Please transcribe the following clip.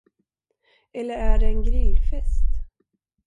Eller är det en grillfest?